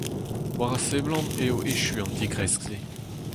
War a seblant eo echu an digresk-se.